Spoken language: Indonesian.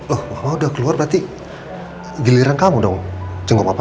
oh mama udah keluar berarti giliran kamu dong jenggok papa